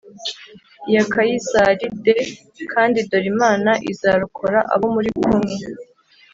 ya Kayisari d kandi dore Imana izarokora abo muri kumwe